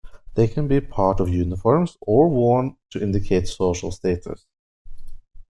They can be part of uniforms or worn to indicate social status.